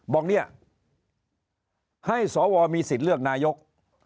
บอกเนี่ยให้สวมีสิทธิ์เลือกนายก